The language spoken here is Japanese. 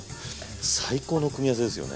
最高の組み合わせですよね。